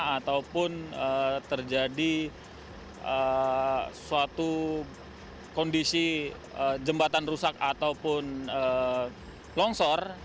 ataupun terjadi suatu kondisi jembatan rusak ataupun longsor